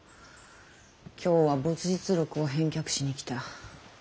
今日は没日録を返却しに来た。